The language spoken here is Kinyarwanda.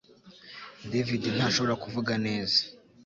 David ntashobora kuvuga neza